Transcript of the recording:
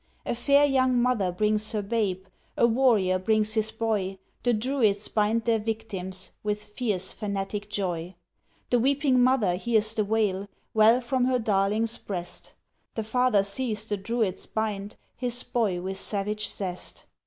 A fair young mother brings her babe, A warrior brings his boy, The Druids bind their victims With fierce, fanatic joy! The weeping mother hears the wail Well from her darling's breast; The father sees the Druids bind His boy with savage zest.